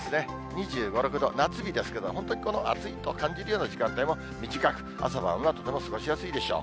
２５、６度、夏日ですけど、本当にこの暑いと感じるような時間帯も短く、朝晩はとても過ごしやすいでしょう。